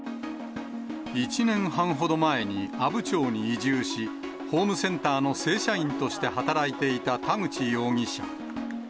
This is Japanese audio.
１年半ほど前に阿武町に移住し、ホームセンターの正社員として働いていた田口容疑者。